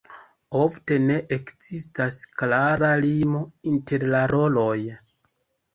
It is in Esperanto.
Ofte ne ekzistas klara limo inter la roloj.